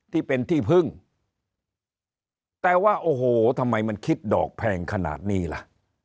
ที่เป็นที่พึ่งแต่ว่าโอ้โหทำไมมันคิดดอกแพงขนาดนี้ล่ะ